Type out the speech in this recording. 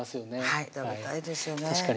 はい食べたいですよね